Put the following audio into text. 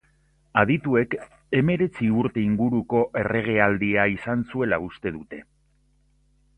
Adituek, hemeretzi urte inguruko erregealdia izan zuela uste dute.